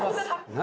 何？